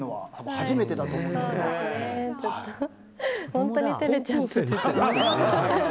本当に照れちゃう。